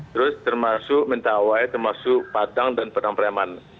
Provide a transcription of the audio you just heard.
terus termasuk mentawai termasuk padang dan penampreman